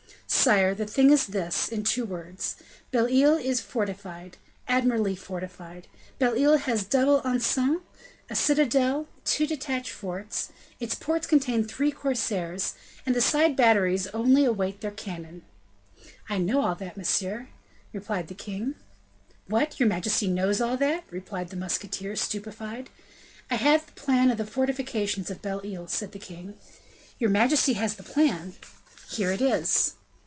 "Sire, the thing is this, in two words: Belle Isle is fortified, admirably fortified; Belle Isle has a double enceinte, a citadel, two detached forts; its ports contain three corsairs; and the side batteries only await their cannon." "I know all that, monsieur," replied the king. "What! your majesty knows all that?" replied the musketeer, stupefied. "I have the plan of the fortifications of Belle Isle," said the king. "Your majesty has the plan?" "Here it is."